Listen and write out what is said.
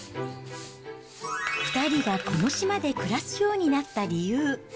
２人がこの島で暮らすようになった理由。